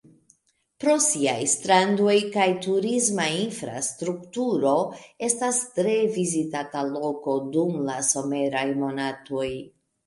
Pro siaj strandoj kaj turisma infrastrukturo estas tre vizitata loko dum la someraj monatoj.